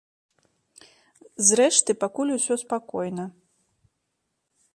Зрэшты, пакуль усё спакойна.